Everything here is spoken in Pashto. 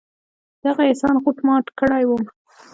د هغه احسان غوټ مات کړى وم.